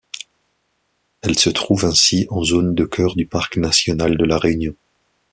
Elle se trouve ainsi en zone de cœur du parc national de La Réunion.